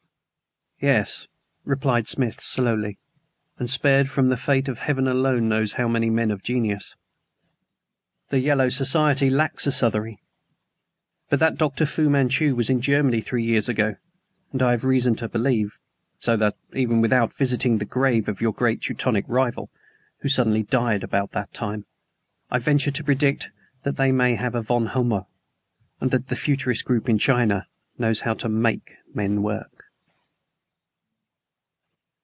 "Yes," replied Smith slowly, "and spared from the fate of Heaven alone knows how many men of genius. The yellow society lacks a Southery, but that Dr. Fu Manchu was in Germany three years ago I have reason to believe; so that, even without visiting the grave of your great Teutonic rival, who suddenly died at about that time, I venture to predict that they have a Von Homber. And the futurist group in China knows how to MAKE men work!"